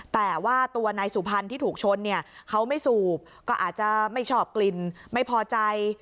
แต่ว่าตัวนายสุพรรณที่ถูกชนเนี่ยเขาไม่สูบก็อาจจะไม่ชอบกลิ่นไม่พอใจ